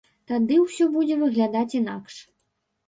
Тады ўсё будзе выглядаць інакш.